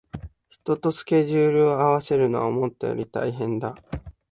人とスケジュールを合わせるのは思ったより大変だ